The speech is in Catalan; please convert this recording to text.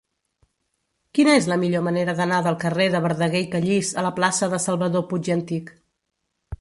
Quina és la millor manera d'anar del carrer de Verdaguer i Callís a la plaça de Salvador Puig i Antich?